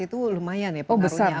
itu lumayan ya pengaruhnya